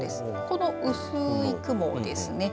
この薄い雲ですね。